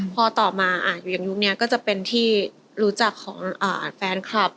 พอต่อมาอยู่อย่างยุคนี้ก็จะเป็นที่รู้จักของแฟนคลับ